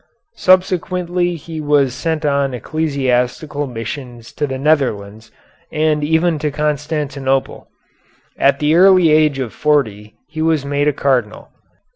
Subsequently he was sent on ecclesiastical missions to the Netherlands, and even to Constantinople. At the early age of forty he was made a Cardinal.